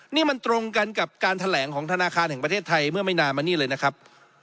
นี่มันตรงกันกับการแถลงของธนาคารแห่งประเทศไทยเมื่อไม่นานมานี่เลยนะครับ